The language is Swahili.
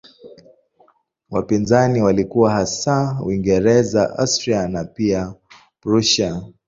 Wapinzani walikuwa hasa Uingereza, Austria na pia Prussia.